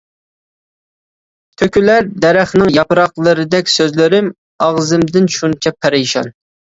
تۆكۈلەر دەرەخنىڭ ياپراقلىرىدەك سۆزلىرىم ئاغزىمدىن شۇنچە پەرىشان.